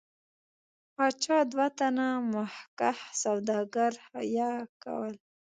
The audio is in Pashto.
پاچا دوه تنه مخکښ سوداګر حیه کول.